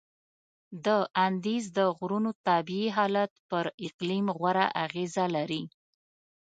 د اندیز د غرونو طبیعي حالت پر اقلیم غوره اغیزه لري.